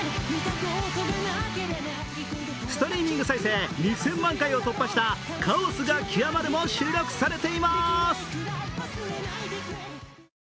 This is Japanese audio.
ストリーミング再生２０００万回を突破した、「カオスが極まる」も収録されています。